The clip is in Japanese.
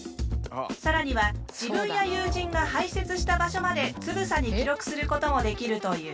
更には自分や友人が排泄した場所までつぶさに記録することもできるという。